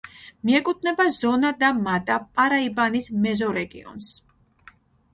მიეკუთვნება ზონა-და-მატა-პარაიბანის მეზორეგიონს.